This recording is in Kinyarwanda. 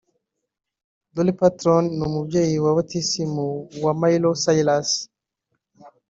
Dolly Parton ni umubyeyi wa batisimu wa Miley Cyrus